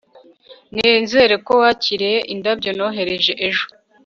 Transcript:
nizere ko wakiriye indabyo nohereje ejo